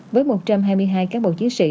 với một trăm hai mươi hai cán bộ chiến sĩ